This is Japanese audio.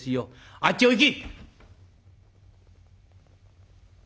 「あっちお行き！」。